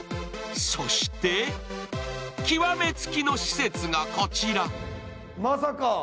そして、極め付きの施設がこちら。